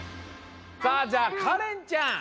さあじゃあかれんちゃん！